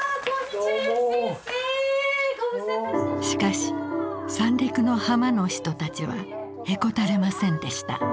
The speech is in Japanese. しかし三陸の浜の人たちはへこたれませんでした。